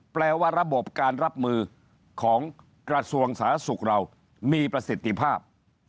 แปลว่าระบบการรับมือของกระทรวงสาธารณสุขเรามีประสิทธิภาพ